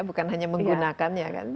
bukan hanya menggunakannya